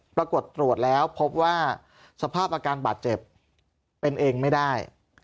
ปรากฏตรวจแล้วพบว่าสภาพอาการบาดเจ็บเป็นเองไม่ได้